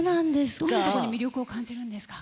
どういうところに魅力を感じるんですか？